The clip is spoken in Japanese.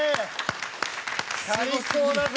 最高だぜ！